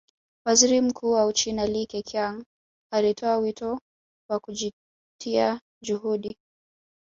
Waziri Mkuu wa Uchina Li Keqiang alitoa wito wa kutia juhudi